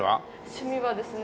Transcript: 趣味はですね